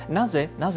なぜ？